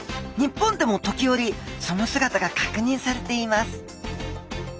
日本でも時折その姿がかくにんされています